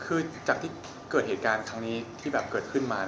คือจากที่เกิดเหตุการณ์ที่เป็นแบบขึ้นมา